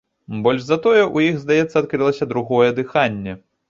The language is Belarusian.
Больш за тое, у іх, здаецца, адкрылася другое дыханне.